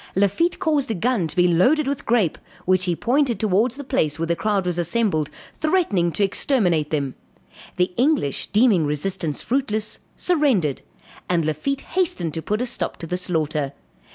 Lafitte caused a gun to be loaded with grape, which he pointed towards the place where the crowd was assembled, threatening to exterminate them. The English deeming resistance fruitless, surrendered, and Lafitte hastened to put a stop to the slaughter.